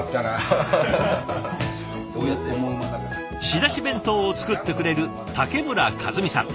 仕出し弁当を作ってくれる竹村和巳さん。